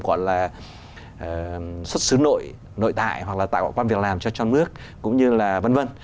gọi là xuất xứ nội nội tại hoặc là tạo quan việc làm cho trong nước cũng như là v v